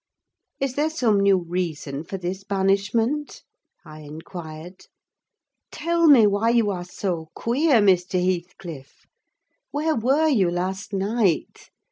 "Is there some new reason for this banishment?" I inquired. "Tell me why you are so queer, Mr. Heathcliff? Where were you last night?